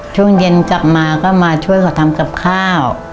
ช่วงเย็นกลับมาก็มาช่วยเขาทำกับข้าว